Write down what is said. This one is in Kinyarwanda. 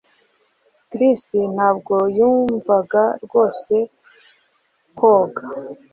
Chris ntabwo yumvaga rwose koga